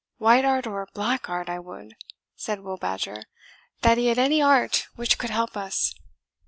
"White art or black art, I would," said Will Badger, "that he had any art which could help us.